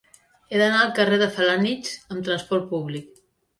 He d'anar al carrer de Felanitx amb trasport públic.